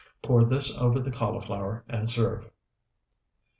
Pour this over the cauliflower, and serve.